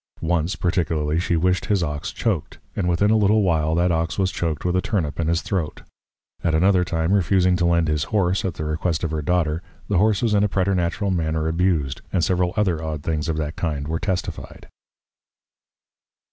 Once, particularly, she wished his Ox choaked; and within a little while that Ox was choaked with a Turnep in his Throat. At another Time, refusing to lend his Horse, at the Request of her Daughter, the Horse was in a preternatural manner abused. And several other odd things of that kind were testified.